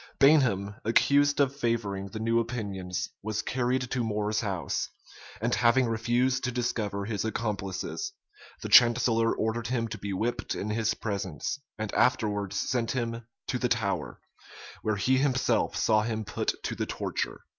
Bainham, accused of favoring the new opinions, was carried to More's house; and having refused to discover his accomplices, the chancellor ordered him to be whipped in his presence, and afterwards sent him to the Tower, where he himself saw him put to the torture.